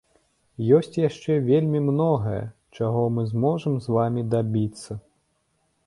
Ёсць яшчэ вельмі многае, чаго мы зможам з вамі дабіцца.